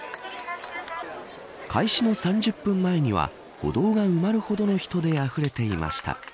開始の３０分前には歩道が埋まるほどの人であふれていました。